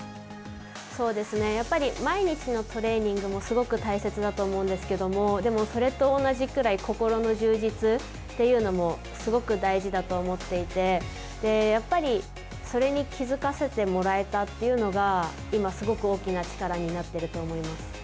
そうですね、やっぱり毎日のトレーニングもすごく大切だと思うんですけどもでも、それと同じくらい心の充実というのもすごく大事だと思っていてやっぱりそれに気付かせてもらえたというのが今、すごく大きな力になっていると思います。